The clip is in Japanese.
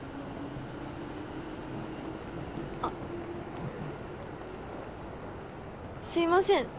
あっすいません。